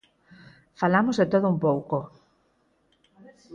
Falamos de todo un pouco.